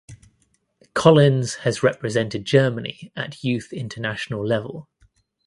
Collins has represented Germany at youth international level.